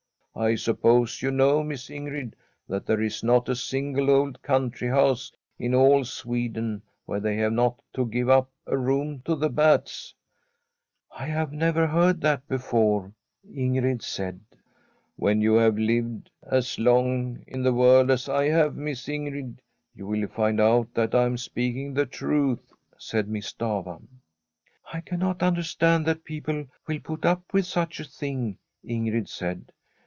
I suppose you know, Miss [79l Fratn a SWEDISH HOMESTEAD Ingrid, that there is not a sinele old country house in all Sweden where they nave not to give up a room to the bats ?'' I have never heard that before/ Ingrid said. ' When you have lived as long in the world as I have, Miss Ingrid, you will find out that I am speaking the truth/ said Miss Stafva. ' I cannot understand that people will put up with such a thing/ Ingrid said.